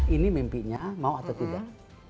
ini mimpinya mau atau tidak